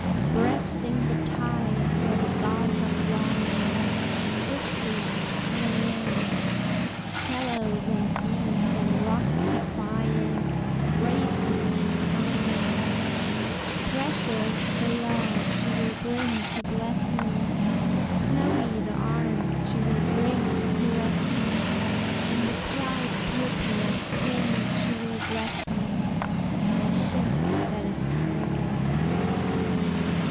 Breasting the tides where the gulls are flying, Swiftly she's coming in; Shallows and deeps and rocks defying, Bravely she's coming in; Precious the love she will bring to bless me, Snowy the arms she will bring to caress me, In the proud purple of kings she will dress me. My ship that is coming in.